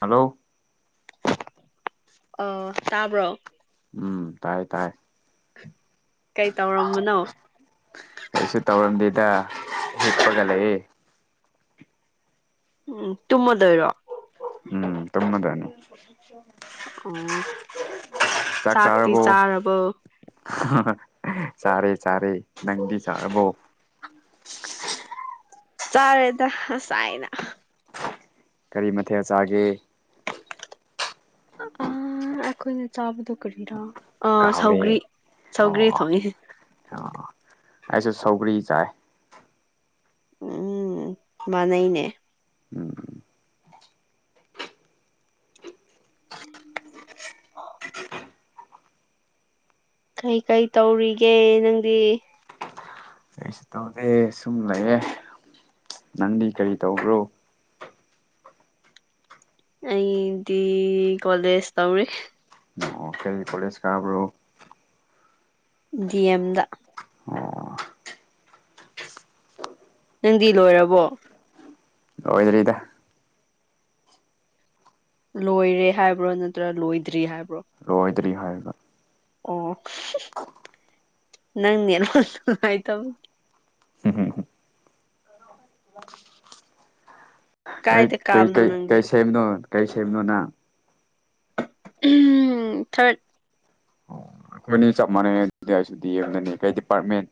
Hello ꯑꯥ ꯇꯥꯕ꯭ꯔꯣ ꯎꯝ ꯇꯥꯏ ꯇꯥꯏ ꯀꯩ ꯇꯧꯔꯝꯕꯅꯣ ꯀꯩꯁꯨ ꯇꯧꯔꯝꯗꯦꯗ ꯍꯤꯞꯄꯒ ꯂꯩꯌꯦ ꯎꯝ ꯇꯨꯝꯃ ꯗꯣꯏꯔꯣ ꯎꯝ ꯇꯨꯝꯃꯗꯅꯤ ꯑꯣ ꯆꯥꯛꯇꯤ ꯆꯥꯔꯕꯣ ꯆꯔꯦ ꯆꯔꯦ ꯅꯪꯗꯤ ꯁꯥꯔꯕꯣ ꯆꯥꯔꯦꯗ ꯉꯁꯥꯏꯅ ꯀꯔꯤ ꯃꯊꯦꯜ ꯆꯥꯒꯦ ꯑ ꯑꯩꯈꯣꯏꯅ ꯆꯥꯕꯗꯣ ꯀꯔꯤꯔꯥ ꯀꯥꯎꯔꯦ ꯁꯧꯒ꯭ꯔꯤ ꯁꯧꯒ꯭ꯔꯤ ꯑꯣ ꯊꯣꯡꯉꯦ ꯑꯣ ꯑꯩꯁꯨ ꯁꯧꯒ꯭ꯔꯤ ꯆꯥꯏ ꯎꯝ ꯃꯥꯅꯩꯅꯦ ꯎꯝ ꯀꯩ ꯀꯩ ꯇꯧꯔꯤꯒꯦ ꯅꯪꯗꯤ ꯀꯩꯁꯨ ꯇꯧꯗꯦ ꯁꯨꯝ ꯂꯩꯌꯦ ꯅꯪꯗꯤ ꯀꯔꯤ ꯇꯧꯕ꯭ꯔꯣ ꯑꯩꯗꯤ ꯀꯣꯂꯦꯖ ꯇꯧꯔꯤ ꯑꯣ ꯀꯔꯤ ꯀꯣꯂꯦꯖ ꯀꯥꯕ꯭ꯔꯣ ꯗꯤ ꯑꯦꯝꯗ ꯑꯣ ꯅꯪꯗꯤ ꯂꯣꯏꯔꯕꯣ ꯑꯣꯏꯔꯤꯗ ꯂꯣꯏꯔꯦ ꯍꯥꯏꯕ꯭ꯔꯣ ꯅꯠꯇ꯭ꯔꯥ ꯂꯣꯏꯗ꯭ꯔꯤ ꯍꯥꯏꯕ꯭ꯔꯣ ꯂꯣꯏꯗ꯭ꯔꯤ ꯍꯥꯏꯔꯒ ꯑꯣ ꯅꯪ ꯅꯦꯠꯋꯥꯛ ꯅꯨꯡꯉꯥꯏꯇꯕꯒꯤ [unintelligible] ꯀꯩ ꯀꯥꯏꯗ ꯀꯩ ꯀꯥꯕꯅꯣ ꯀꯩ ꯅꯪꯗꯤ ꯀꯩ ꯁꯦꯝꯅꯣ ꯀꯩ ꯁꯦꯝ ꯅꯣꯅꯪ ꯑꯨꯝ ꯊꯥꯔꯠ ꯑꯩꯈꯣꯏꯅꯤ ꯆꯞ ꯃꯥꯟꯅꯩ ꯑꯩꯁꯨ ꯗꯤꯑꯦꯝꯗꯅꯤ ꯀꯩ ꯗꯤꯄꯥꯔꯠꯃꯦꯟ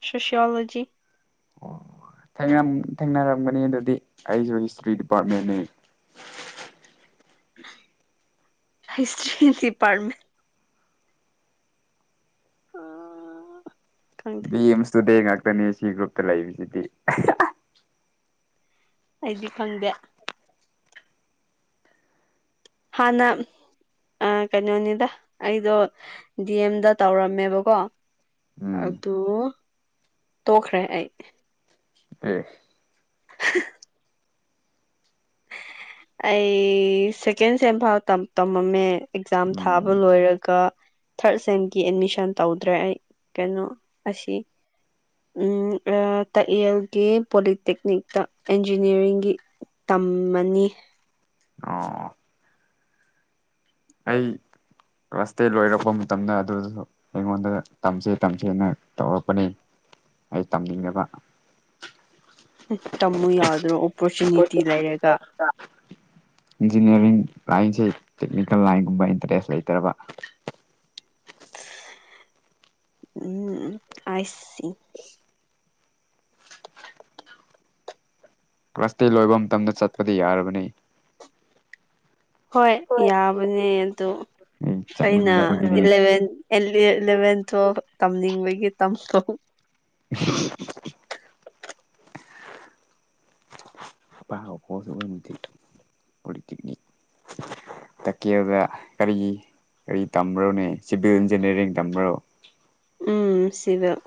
ꯁꯣꯁꯤꯌꯣꯂꯣꯖꯤ ꯑꯣ [unintelligible] ꯊꯦꯡꯅꯔꯝꯒꯅꯤ ꯑꯗꯨꯗꯤ ꯑꯩꯁꯨ ꯍꯤꯁꯇ꯭ꯔꯤ ꯗꯤꯄꯥꯔꯠꯃꯦꯟꯅꯤ ꯍꯤꯁꯇ꯭ꯔꯤꯗꯤꯄꯥꯔꯃꯦꯟ ꯑꯣ ꯈꯡꯗꯦ ꯗꯤ ꯑꯦꯝꯁ ꯁ꯭ꯇꯨꯗꯦ ꯉꯥꯛꯇꯅꯤ ꯁꯤ ꯒ꯭ꯔꯨꯞꯇ ꯂꯩꯕꯁꯤꯗꯤ ꯑꯩꯗꯤ ꯈꯪꯗꯦ ꯍꯥꯟꯅ ꯑ ꯀꯩꯅꯣꯅꯤꯗ ꯑꯩꯗꯣ ꯗꯤ ꯑꯦꯝꯗ ꯇꯧꯔꯝꯃꯦꯕꯀꯣ ꯎꯝ ꯑꯗꯨ ꯇꯣꯛꯈ꯭ꯔꯦ ꯑꯩ ꯑꯦ [unintelligible] [unintelligible] ꯑꯩ ꯁꯦꯀꯦꯟ ꯁꯦꯝ ꯐꯥꯎ ꯇꯃꯝꯃꯦ ꯑꯦꯛꯖꯥꯝ ꯊꯥꯕ ꯎꯝ ꯂꯣꯏꯔꯒ ꯊꯥꯔꯠ ꯁꯦꯝꯒꯤ ꯑꯦꯠꯃꯤꯁꯟ ꯇꯧꯗ꯭ꯔꯦ ꯑꯩ ꯀꯩꯅꯣ ꯑꯁꯤ ꯇꯥꯏꯌꯦꯜꯒꯤ ꯄꯣꯂꯤꯇꯦꯛꯅꯤꯛꯇ ꯏꯟꯖꯤꯅꯤꯌꯥꯔꯤꯡꯒꯤ ꯇꯝꯃꯅꯤ ꯑꯣ ꯑꯩ ꯀ꯭ꯂꯥꯁ ꯇꯦꯟ ꯂꯣꯏꯔꯛꯄ ꯃꯇꯝꯗ ꯑꯗꯨꯗꯁꯨ ꯑꯩꯉꯣꯟꯗ ꯇꯝꯁꯦ ꯇꯝꯁꯦꯅ ꯇꯧꯔꯛꯄꯅꯤ ꯑꯩ ꯇꯝꯅꯤꯡꯗꯕ ꯍꯨꯝ ꯇꯝꯃꯨ ꯌꯥꯎꯗ꯭ꯔꯣ ꯑꯣꯄꯣꯔꯆꯨꯅꯤꯇꯤ ꯂꯩꯔꯒ ꯏꯟꯖꯤꯅꯤꯌꯥꯔꯤꯡ ꯂꯥꯏꯟꯁꯤ ꯇꯦꯛꯅꯤꯀꯦꯜ ꯂꯥꯏꯟꯒꯨꯝꯕ ꯏꯟꯇꯔꯦꯁ ꯂꯩꯇ꯭ꯔꯕ ꯎꯝ ꯎꯝ ꯑꯥꯏ ꯁꯤ ꯀ꯭ꯂꯥꯁ ꯇ‌ꯦꯟ ꯂꯣꯏꯕ ꯃꯇꯝꯗ ꯆꯠꯄꯗꯤ ꯌꯥꯔꯕꯅꯤ ꯍꯣꯏ ꯌꯥꯕꯅꯦ ꯑꯗ‌ꯣ ꯑꯩ ꯑꯩꯅ ꯆꯠꯅꯤꯡꯗꯕꯒꯤꯅꯤ ꯏꯂꯚꯦꯟ ꯏꯂ ꯏꯂꯦꯚꯦꯟꯇꯣ ꯇꯝꯅꯤꯡꯕꯒꯤ ꯇꯝꯊ‌ꯣ [unintelligible] [unintelligible] ꯇꯛꯀꯦꯜꯗ ꯀꯔꯤ ꯀꯔꯤ ꯇꯝꯕ꯭ꯔꯣꯅꯦ ꯁꯤꯚꯤꯜ ꯏꯟꯖꯤꯅꯤꯌꯥꯔꯤꯡ ꯇꯝꯕ꯭ꯔꯣ ꯎꯝ ꯁꯤꯕꯦꯜ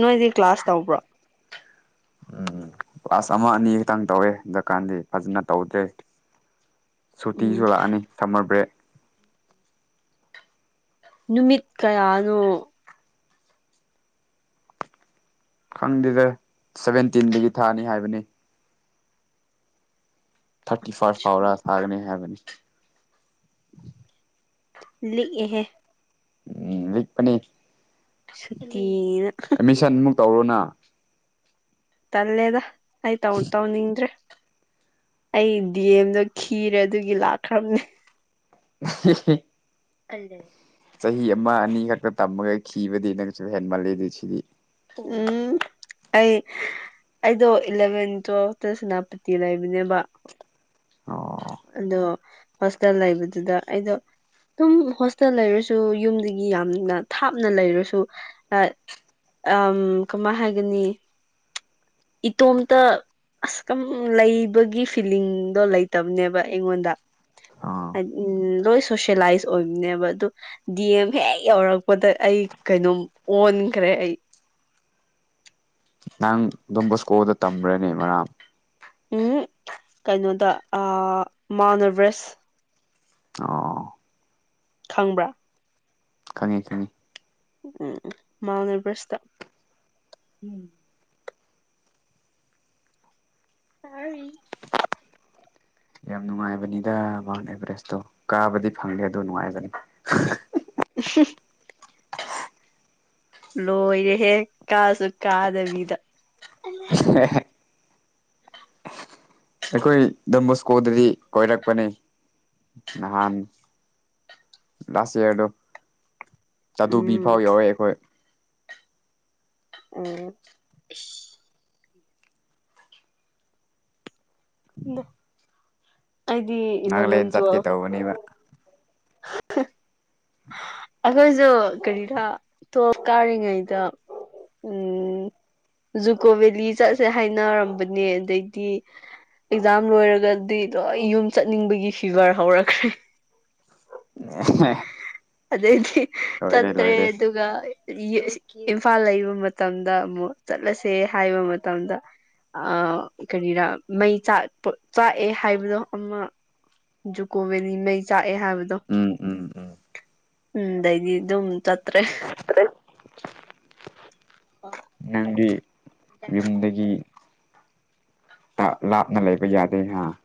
ꯅꯣꯏꯗꯤ ꯀ꯭ꯂꯥꯁ ꯇꯧꯕ꯭ꯔꯣ ꯀ꯭ꯂꯥꯁ ꯑꯃ ꯑꯅꯤ ꯈꯛꯇꯪ ꯇꯧꯋꯦ ꯍꯟꯗꯛꯀꯥꯟꯗꯤ ꯐꯖꯅ ꯇꯧꯗ꯭ꯔꯦ ꯎꯝ ꯁꯨꯇꯤꯁꯨ ꯂꯥꯛꯑꯅꯤ ꯁꯝꯃꯔ ꯕ꯭ꯔꯦꯛ ꯅꯨꯃꯤꯠ ꯀꯌꯥꯅꯣ ꯈꯪꯗꯦꯗ ꯁꯚꯦꯟꯇꯤꯟꯗꯒꯤ ꯊꯥꯅꯤ ꯍꯥꯏꯕꯅꯤ ꯊꯥꯔꯇꯤ ꯐꯥꯔꯁꯠ ꯐꯥꯎꯔ ꯊꯥꯒꯅꯤ ꯍꯥꯏꯕꯅꯤ ꯂꯤꯛꯑꯦꯍꯦ ꯎꯝ ꯂꯤꯛꯄꯅ‌ꯦ ꯁꯨꯇꯤꯔ ꯑꯦꯠꯃꯤꯁꯟꯃꯨꯛ ꯇꯧꯔ‌ꯣꯅꯥ ꯇꯜꯂꯦꯗ ꯑꯩ ꯇꯧ ꯇꯧꯅꯤꯡꯗ꯭ꯔꯦ ꯑꯩ ꯗꯤ ꯑꯦꯝꯗꯣ ꯈꯤꯔꯦ ꯑꯗꯨꯒꯤ ꯂꯥꯛꯈ꯭ꯔꯝꯅꯦ [unintelligible] [unintelligible] ꯆꯍꯤ ꯑꯃ ꯑꯅꯤ ꯈꯛꯇ ꯇꯝꯃꯒ ꯈꯤꯕꯗꯤ ꯅꯪꯁꯨ ꯍꯦꯟꯃꯜꯂꯤ ꯑꯗꯨ ꯁꯤꯗꯤ ꯎꯝ ꯑꯩ ꯑꯩꯗꯣ ꯏꯂꯚꯦꯟ ꯇꯨꯋꯦꯜꯐꯇ ꯁꯦꯅꯥꯄꯇꯤ ꯂꯩꯕꯅꯦꯕ ꯑꯣ ꯑꯗꯣ ꯍꯣꯁꯇꯦꯜ ꯂꯩꯕꯗꯨꯗ ꯑꯩꯗꯣ ꯑꯗꯨꯝ ꯍꯣꯁꯇꯦꯜ ꯂꯩꯔꯁꯨ ꯌꯨꯝꯗꯒꯤ ꯌꯥꯝꯅ ꯊꯥꯞꯅ ꯂꯩꯔꯁꯨ ꯑꯝ ꯀꯃꯥꯏꯅ ꯍꯥꯏꯒꯅꯤ ꯏꯇ‌ꯣꯝꯇ ꯑꯁ ꯀꯝ ꯂꯩꯕꯒꯤ ꯐꯤꯂꯤꯡꯗꯣ ꯂꯩꯇꯕꯅꯦꯕ ꯑꯩꯉꯣꯟꯗ ꯑꯥ ꯎ ꯂꯣꯏ ꯁꯣꯁꯦꯂꯥꯏꯁ ꯑꯣꯏꯕꯅꯦꯕ ꯑꯗꯨ ꯗꯤ ꯑꯦꯝ ꯍꯦꯛ ꯌꯧꯔꯛꯄꯗ ꯑꯩ ꯀꯩꯅꯣꯝ ꯑꯣꯟꯈ꯭ꯔꯦ ꯑꯩ ꯅꯪ ꯗ‌ꯣꯝ ꯕꯣꯁꯀꯣꯗ ꯇꯝꯕ꯭ꯔꯅꯦ ꯃꯔꯥꯡ ꯎꯝ ꯀꯩꯅꯣꯗ ꯑꯥ ꯃꯥꯎꯟ ꯑꯕꯦꯔ‌ꯦꯁ ꯑꯣ ꯈꯪꯕ꯭ꯔꯥ ꯈꯪꯉꯤ ꯈꯪꯉꯤ ꯎꯝ ꯃꯥꯎꯟ ꯑꯦꯚꯔꯦꯁꯇ [unintelligible] ꯌꯥꯝ ꯅꯨꯡꯉꯥꯏꯕꯅꯤꯗ ꯃꯥꯎꯟ ꯑꯦꯚꯔꯦꯁꯇꯣ ꯀꯥꯕꯗꯤ ꯐꯪꯗ‌ꯦ ꯑꯗꯨ ꯅꯨꯡꯉꯥꯏꯕꯅꯤ [unintelligible] ꯂꯣꯏꯔꯦ ꯍꯦꯛ ꯀꯥꯁꯨ ꯀꯥꯗꯕꯤꯗ [unintelligible] ꯑꯩꯈꯣꯏ ꯗ‌ꯣꯝꯕꯣꯁꯀꯣꯗꯗꯤ ꯀꯣꯏꯔꯛꯄꯅꯦ ꯅꯍꯥꯟ ꯂꯥꯁ ꯏꯌꯥꯔꯗ ꯆꯥꯗꯨꯕꯤ ꯐꯥꯎ ꯎꯝ ꯌꯧꯋ‌ꯦ ꯑꯩꯈꯣꯏ ꯎꯝ ꯑꯩꯗꯤ ꯏꯂꯕꯦꯟ ꯅꯥꯒꯥꯂꯦꯟ ꯆꯠꯀꯦ ꯇꯨꯋꯌꯦꯜꯞ ꯇꯧꯕꯅꯦꯕ [unintelligible] ꯑꯩꯈꯣꯏꯁꯨ ꯀꯔꯤꯔꯥ ꯇꯨꯋꯌꯦꯞ ꯀꯥꯔꯤꯉꯩꯗ ꯫ ꯎꯝ ꯖꯨꯀꯣ ꯚꯦꯜꯂꯤ ꯆꯠꯁꯦ ꯍꯥꯏꯅꯔꯝꯕꯅꯦ ꯑꯗꯩꯗꯤ ꯑꯦꯛꯖꯥꯝ ꯂꯣꯏꯔꯒꯗꯤ ꯂꯣꯏ ꯌꯨꯝ ꯆꯠꯅꯤꯡꯕꯒꯤ ꯐꯤꯕꯔ ꯍꯧꯔꯛꯈ꯭ꯔꯦ ꯫ [inaudible] ꯑꯗꯩꯗꯤ ꯂꯣꯏꯔꯦ ꯆꯠꯇ꯭ꯔꯦ ꯂꯣꯏꯔꯦ ꯑꯗꯨꯒ ꯫ ꯏꯝꯐꯥꯜ ꯂꯩꯕ ꯃꯇꯝꯗ ꯑꯃꯨꯛ ꯆꯠꯂꯁꯦ ꯍꯥꯏꯕ ꯃꯇꯝꯗ ꯫ ꯑꯥ ꯀꯔꯤꯔ ꯃꯩ ꯆꯥꯛ ꯆꯥꯛꯑꯦ ꯍꯥꯏꯕꯗꯣ ꯑꯃ ꯫ ꯖꯨꯀꯣ ꯕꯦꯅꯤ ꯃꯩ ꯆꯥꯛꯑꯦ ꯍꯥꯏꯕꯗꯣ ꯎꯝ ꯎꯝ ꯎꯝ ꯑꯗꯩꯗꯤ ꯑꯗꯨꯝ ꯆꯠꯇ꯭ꯔꯦ ꯫ ꯅꯪꯗꯤ ꯌꯨꯝ ꯑꯗꯒꯤ ꯂꯥꯞꯅ ꯂꯩꯕ ꯌꯥꯗꯦꯅ ꯫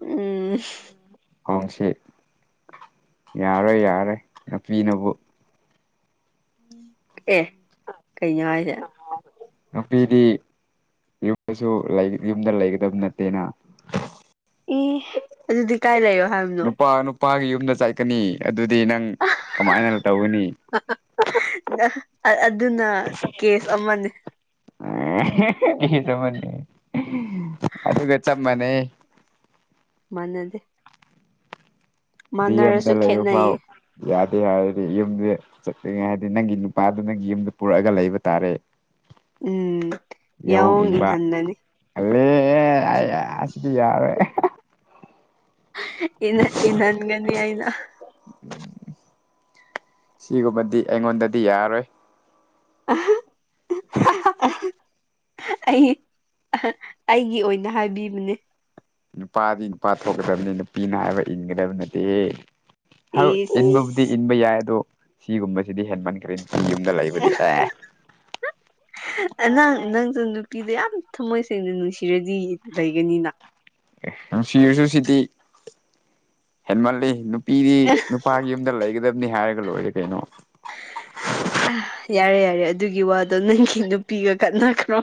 ꯎꯝ ꯈꯣꯡꯁꯤ ꯌꯥꯔꯣꯏ ꯌꯥꯔꯣꯏ ꯅꯥꯄꯤꯅꯕꯨ ꯫ ꯑꯦ ꯀꯩꯅꯣ ꯍꯥꯏꯁꯦ ꯅꯨꯄꯤꯗꯤ ꯫ ꯌꯨꯝꯗꯁꯨ ꯂꯩ ꯌꯨꯝꯗ ꯂꯩꯒꯗꯕ ꯅꯠꯇꯦꯅ ꯫ ꯑꯦ ꯑꯗꯨꯗꯤ ꯀꯥꯏ ꯂꯩꯌꯣ ꯍꯥꯏꯕꯅꯣ ꯅꯨꯄꯥ ꯅꯨꯄꯥꯒꯤ ꯌꯨꯝꯗ ꯆꯥꯏꯀꯅꯤ ꯑꯗꯨꯗꯤ ꯅꯪ ꯀꯃꯥꯏꯅ ꯇꯧꯒꯅꯤ ꯫ ꯑꯗꯨꯅ ꯀꯦꯁ ꯑꯃꯅꯦ ꯑꯗꯨꯒ ꯆꯞ ꯃꯥꯟꯅꯩ ꯫ ꯃꯥꯅꯗꯦ ꯃꯤ ꯑꯃꯇ ꯂꯩꯕ ꯐꯥꯎ ꯈꯦꯠꯅꯩꯌꯦ ꯌꯥꯗꯦ ꯍꯥꯏꯔꯗꯤ ꯌꯨꯝꯁꯦ ꯫ ꯆꯠꯇꯔꯤ ꯉꯥꯢꯗ ꯅꯪꯒꯤ ꯅꯨꯄꯥꯗꯨ ꯅꯪꯒꯤ ꯌꯨꯝꯗ ꯄꯨꯔꯛꯑꯒ ꯂꯩꯕ ꯇꯥꯔꯦ ꯫ ꯎꯝ ꯌꯥꯍꯣꯡ ꯌꯥꯑꯣꯡ ꯏꯟꯕ ꯏꯟꯍꯟꯒꯅꯤ ꯫ ꯑꯁ ꯌꯥꯔꯦ ꯏꯪꯍꯟꯕ ꯏꯪꯍꯟꯒꯅꯤ ꯑꯩꯅ ꯁꯤꯒꯨꯝꯕꯗꯤ ꯑꯩꯉꯣꯟꯗꯗꯤ ꯌꯥꯔꯣꯏ ꯫ ꯑꯩ ꯑꯩꯒꯤ ꯑꯣꯏꯅ ꯍꯥꯏꯕꯤꯕꯅꯦ ꯅꯨꯄꯥꯗꯤ ꯅꯨꯄꯥ ꯊꯣꯛꯀꯗꯕꯅꯤ ꯅꯨꯄꯤꯅ ꯍꯥꯏꯕ ꯏꯟꯒꯗꯕ ꯅꯠꯇꯦ ꯏꯟꯕ ꯗꯤ ꯏꯁ ꯏꯟꯕ ꯌꯥꯏ ꯑꯗꯣ ꯁꯤꯒꯨꯝꯕꯁꯤꯗꯤ ꯍꯦꯟꯃꯟꯈ꯭ꯔꯦ ꯫ [inaudible] [unintelligible] ꯑꯥ ꯅꯪ ꯅꯪꯁꯨ ꯅꯨꯄꯤꯗ ꯌꯥꯝ ꯊꯃꯣꯏ ꯁꯦꯡꯅ ꯅꯨꯡꯁꯤꯔꯗꯤ ꯂꯩꯒꯅꯤꯅ ꯫ ꯅꯨꯡꯁꯤꯔꯁꯨ ꯁꯤꯗꯤ ꯍꯦꯟꯃꯜꯂꯤ ꯫ ꯅꯨꯄꯤꯗꯤ ꯅꯨꯄꯥꯒꯤ ꯌꯨꯝꯗ ꯂꯩꯒꯗꯕꯅꯤ ꯍꯥꯏꯔꯒ ꯂꯣꯏꯔꯦ ꯀꯩꯅꯣ ꯫ ꯑꯥ ꯌꯥꯔꯦ ꯌꯥꯔꯦ ꯑꯗꯨꯒꯤ ꯋꯥꯗꯣ ꯅꯪꯒꯤ ꯅꯨꯄꯤꯒ ꯈꯥꯟꯅꯈ꯭ꯔꯣ꯫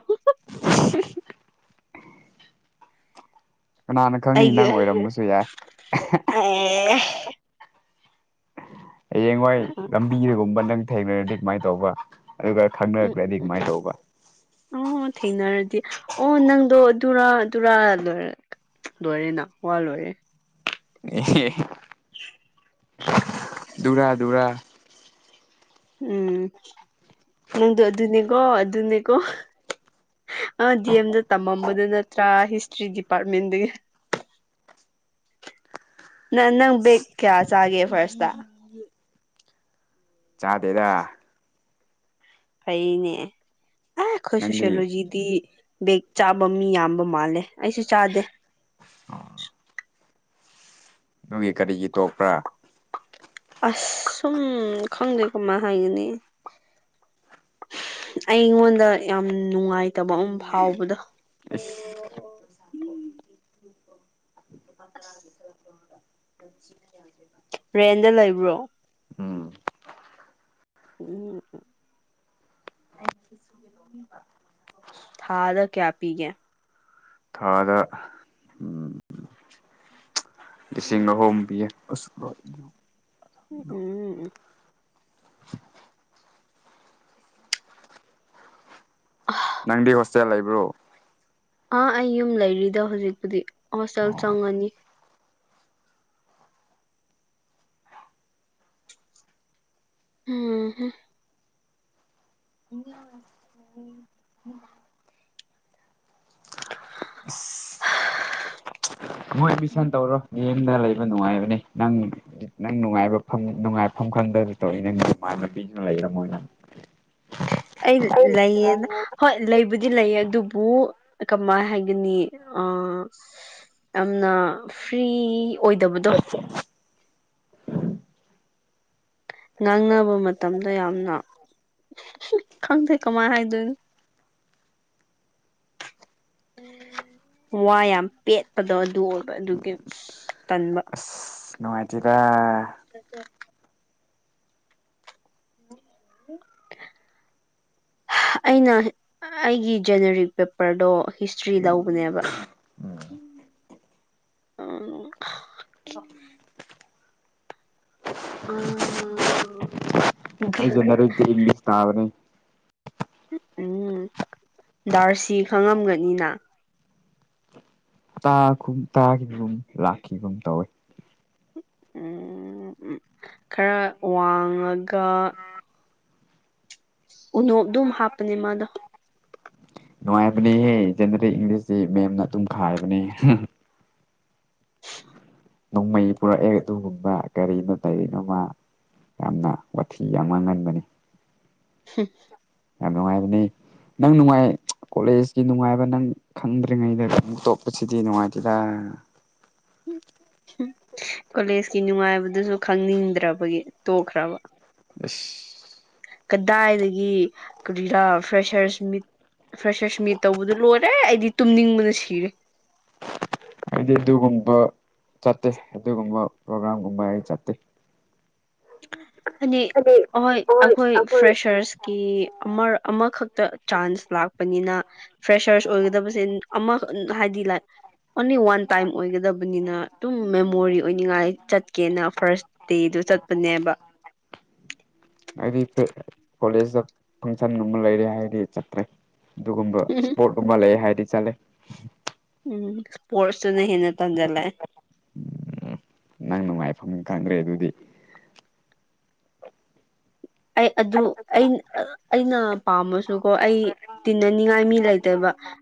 ꯀꯅꯥꯅ ꯈꯪꯅꯤ ꯅꯪ ꯑꯩꯒ ꯑꯣꯏꯔꯝꯕꯁꯨ ꯌꯥꯏ ꯑꯦ ꯍꯌꯦꯡꯋꯥꯏ ꯎꯝ ꯂꯝꯕꯤꯗꯒꯨꯝꯕ ꯅꯪ ꯊꯦꯡꯅꯔꯗꯤ ꯀꯃꯥꯏꯅ ꯇꯧꯕ ꯑꯗꯨꯒ ꯈꯪꯅꯔꯛꯑꯗꯤ ꯀꯃꯥꯏꯅ ꯇꯧꯕ ꯫ ꯑꯣ ꯊꯦꯡꯅꯔꯗꯤ ꯑꯣ ꯅꯪꯗꯣ ꯑꯗꯨꯔꯥ ꯗꯨꯔꯥ ꯂꯣꯏꯔꯦ ꯫ ꯂꯣꯏꯔꯦꯅ ꯋꯥ ꯂꯣꯏꯔꯦ ꯫ [inaudible] ꯗꯨꯔ ꯗꯨꯔ ꯎꯝ ꯅꯪꯗꯣ ꯑꯗꯨꯅꯦꯀꯣ ꯑꯗꯨꯅꯦꯀꯣ ꯑꯥ ꯗꯤ ꯑꯦꯝꯗ ꯇꯝꯃꯝꯕꯗꯨ ꯅꯠꯇ꯭ꯔꯥ ꯍꯤꯁꯇ꯭ꯔꯤ ꯗꯤꯄꯥꯔꯠꯃꯦꯟꯗꯒꯤ ꯫ ꯅꯪ ꯅꯪ ꯕꯦꯛ ꯀꯌꯥ ꯆꯥꯒꯦ ꯐꯔꯁꯇ ꯫ ꯆꯥꯗꯦꯗ ꯐꯩꯅꯦ ꯑ ꯑꯩꯈꯣꯏ ꯅꯪꯗꯤ ꯁꯣꯁꯤꯌꯣꯂꯣꯖꯤ ꯗꯤ ꯕꯦꯛ ꯆꯥꯕ ꯃꯤ ꯌꯥꯝꯕ ꯃꯥꯜꯂꯦ ꯑꯩꯁꯨ ꯆꯥꯗꯦ ꯑꯗꯨꯒ ꯀꯔꯤꯒꯤ ꯇꯣꯛꯄ꯭ꯔꯥ ꯑꯁꯨꯝ ꯈꯪꯗꯩ ꯀꯃꯥꯏ ꯍꯥꯏꯒꯅꯤ ꯑꯩꯉꯣꯟꯗ ꯌꯥꯝ ꯅꯨꯡꯉꯥꯏꯇꯕ ꯑꯃ ꯐꯥꯎꯕꯗꯣ ꯑꯩꯁ ꯑꯁ ꯔꯦꯟꯗ ꯂꯩꯕ꯭ꯔꯣ ꯎꯝ ꯎꯝ ꯊꯥꯗ ꯀꯌꯥ ꯄꯤꯒꯦ ꯊꯥꯗ ꯎꯝ ꯂꯤꯁꯤꯡ ꯑꯍꯨꯝ ꯄꯤꯌꯦ ꯑꯁ ꯎ ꯎꯝ ꯑꯍ ꯅꯪꯗꯤ ꯍꯣꯁꯇꯦꯜ ꯂꯩꯕ꯭ꯔꯣ ꯑꯥ ꯑꯩ ꯌꯨꯝ ꯂꯩꯔꯤꯗ ꯍꯧꯖꯤꯛꯄꯨꯗꯤ ꯍꯣꯁꯇꯦꯜ ꯆꯪꯉꯅꯤ ꯍꯨꯝ ꯍꯨꯝ [unintelligible] ꯃꯣꯏ ꯑꯦꯗꯃꯤꯁꯟ ꯇꯧꯔꯣ ꯃꯤꯌꯦꯝꯗ ꯂꯩꯕ ꯅꯨꯡꯉꯥꯏꯕꯅꯦ ꯅꯪ ꯅꯪ ꯅꯨꯡꯉꯥꯏꯕ ꯐꯪ ꯅꯨꯡꯉꯥꯏꯐꯝ ꯈꯪꯗ ꯇꯧꯏ ꯅꯪ ꯅꯃꯥꯟꯅꯕꯤꯁꯨ ꯂꯩꯔꯝꯃꯣꯏ ꯅꯪ [unintelligible] ꯑꯩ ꯂꯩꯥꯏꯌꯦꯅ ꯍꯣꯏ ꯂꯩꯕꯨꯗꯤ ꯂꯩꯌꯦ ꯑꯗꯨꯕꯨ ꯀꯃꯥꯏꯅ ꯍꯥꯏꯒꯅꯤ ꯑꯥ ꯌꯥꯝꯅ ꯐ꯭ꯔꯤ ꯑꯣꯏꯗꯕꯗꯣ ꯉꯥꯡꯅꯕ ꯃꯇꯝꯗ ꯌꯥꯝꯅ ꯈꯪꯗꯦ ꯍꯨꯝ ꯀꯃꯥꯏꯅ ꯍꯥꯏꯗꯣꯏꯅꯣ [inaudible] ꯋꯥ ꯌꯥꯝ ꯄꯦꯠꯄꯗꯣ ꯑꯗꯨ ꯑꯣꯏꯕ ꯑꯗꯨꯒꯤ ꯇꯟꯕ ꯅꯨꯡꯉꯥꯏꯇꯦꯗꯥ [unintelligible] [unintelligible] [inaudible] ꯍ ꯑꯩꯅ ꯑꯩꯒꯤ ꯖꯦꯅꯦꯔꯤꯛ ꯄꯦꯄꯔꯗꯣ ꯍꯤꯁꯇ꯭ꯔꯤ ꯂꯧꯕꯅꯦꯕ ꯎꯝ [unintelligible] ꯑꯥ ꯅꯔꯩꯗꯤ ꯏꯪꯂꯤꯁ ꯇꯥꯕꯅꯦ ꯎꯝ ꯗꯥꯔꯁꯤ ꯈꯪꯉꯝꯒꯅꯤꯅ ꯇꯥꯈꯨꯝ ꯇꯈꯤꯕꯒꯨꯝ ꯂꯥꯛꯈꯤꯕꯒꯨꯝ ꯇꯧꯋꯤ ꯎꯝ ꯈꯔ ꯋꯥꯡꯉꯒ ꯎꯅꯣꯞ ꯗꯨꯝ ꯍꯥꯞꯄꯅꯦ ꯃꯥꯗꯣ ꯅꯨꯡꯉꯥꯏꯕꯅꯦꯍꯦ ꯖꯦꯅꯔꯦꯜ ꯏꯪꯂꯤꯁꯇꯤ ꯃꯦꯝꯅ ꯑꯗꯨꯝ ꯈꯥꯏꯕꯅꯦ ꯅꯣꯡꯃꯩ ꯄꯨꯔꯛꯑꯦ ꯑꯗꯨꯒꯨꯝꯕ ꯀꯔꯤꯅꯣ ꯀꯔꯤꯅꯣꯃ ꯌꯥꯝꯅ ꯋꯥꯊꯤ ꯌꯥꯝ ꯉꯥꯡꯒꯟꯕꯅꯤ ꯍꯨꯝ ꯌꯥꯝ ꯅꯨꯡꯉꯥꯏꯕꯅꯦ ꯅꯪ ꯅꯨꯡꯉꯥꯏ ꯀꯣꯂꯦꯖꯀꯤ ꯅꯨꯡꯉꯥꯏꯕ ꯅꯪ ꯈꯪꯗ꯭ꯔꯤꯉꯩꯗ ꯅꯪ ꯇꯣꯛꯄꯁꯤꯗꯤ ꯅꯨꯡꯉꯥꯏꯇꯦꯗ ꯀꯣꯂꯦꯖꯀꯤ ꯅꯨꯡꯉꯥꯏꯕꯗꯨꯁꯨ ꯈꯪꯅꯤꯡꯗ꯭ꯔꯕꯒꯤ ꯇꯣꯛꯈ꯭ꯔꯕ ꯑꯁ ꯀꯗꯥꯏꯗꯒꯤ ꯀꯔꯤꯔꯥ ꯐ꯭ꯔꯦꯁꯔꯁ ꯃꯤꯠ ꯐ꯭ꯔꯦꯁꯔꯁ ꯃꯤꯠ ꯇꯧꯕꯗꯨ ꯂꯣꯏꯔꯦ ꯑꯩꯗꯤ ꯇꯨꯝꯅꯤꯡꯕꯅ ꯁꯤꯔꯦ ꯑꯩꯗꯤ ꯑꯗꯨꯒꯨꯝꯕ ꯆꯠꯇꯦ ꯑꯗꯨꯒꯨꯝꯕ ꯄ꯭ꯔꯣꯒ꯭ꯔꯥꯝꯒꯨꯝꯕ ꯑꯩ ꯆꯠꯇꯦ ꯑꯅꯤ ꯑꯍꯣꯏ ꯑꯈꯣꯏ ꯐ꯭ꯔꯦꯁꯔꯁꯀꯤ ꯑꯃꯔꯛ ꯑꯃꯈꯛꯇ ꯆꯥꯟꯁ ꯂꯥꯛꯄꯅꯤꯅ ꯐ꯭ꯔꯦꯁꯔꯁ ꯑꯣꯏꯒꯗꯕꯁꯦ ꯑꯃ ꯍꯥꯏꯗꯤ ꯂ ꯑꯣꯟꯂꯤ ꯋꯥꯟ ꯇꯥꯏꯝ ꯑꯣꯏꯒꯗꯕꯅꯤꯅ ꯑꯗꯨꯝ ꯃꯦꯃꯣꯔꯤ ꯑꯣꯏꯅꯤꯡꯉꯥꯏ ꯆꯠꯀꯦꯅ ꯐꯥꯔꯁ ꯗꯦꯗꫭ ꯆꯠꯄꯅꯦꯕ ꯍꯥꯏꯗꯤ ꯀꯣꯂꯦꯖꯇ ꯐꯪꯁꯟꯒ ꯑꯃ ꯂꯩꯔꯦ ꯍꯥꯏꯗꯤ ꯆꯠꯇ꯭ꯔꯦ ꯑꯗꯨꯒꯨꯝꯕ ꯏꯁꯄꯣꯔꯠ ꯀꯨꯝꯍꯜꯂꯦ ꯍꯥꯏꯗꯤ ꯆꯠꯂꯦ ꯎꯝ ꯁꯄꯣ꯭ꯔꯠꯇꯨꯅ ꯍꯟꯅ ꯇꯟꯁꯤꯡꯂꯥꯛꯑꯦ ꯎꯝ ꯅꯪ ꯅꯨꯡꯉꯥꯏꯐꯝ ꯈꯪꯗ꯭ꯔꯦ ꯑꯗꯨꯗꯤ ꯑꯩ ꯑꯗꯨ ꯑꯩ ꯑꯩꯅ ꯄꯥꯝꯕꯁꯨꯀꯣ ꯑꯩ ꯇꯤꯟꯅꯅꯤꯡꯉꯥꯏ ꯃꯤ ꯂꯩꯇꯦꯕ